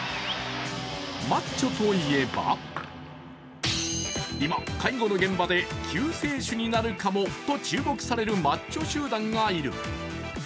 マッチョと言えば、今、介護の現場で救世主になるかもと注目されるマッチョ集団がいる。